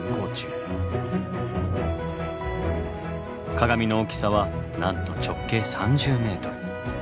鏡の大きさはなんと直径３０ｍ。